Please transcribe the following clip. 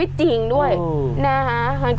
โอ้โหโอ้โห